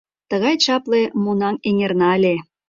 Тыгай чапле Монаҥ эҥерна ыле...